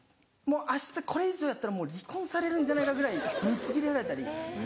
明日これ以上やったらもう離婚されるんじゃないかぐらいブチギレられたり。